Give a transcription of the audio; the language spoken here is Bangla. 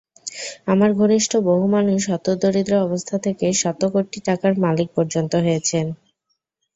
আমার ঘনিষ্ঠ বহু মানুষ হতদরিদ্র অবস্থা থেকে শতকোটি টাকার মালিক পর্যন্ত হয়েছেন।